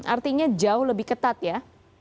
artinya jauh lebih ketat ya